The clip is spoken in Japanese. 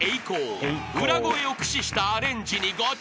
［裏声を駆使したアレンジにご注目］